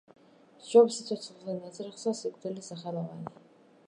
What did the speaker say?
სჯობს სიცოცხელას ნაძრახსა, სიკვდილი სახელოვანი.